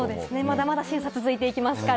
まだまだ審査は続いていきますから。